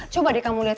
coba deh kamu lihat